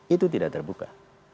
itu tidak terbuka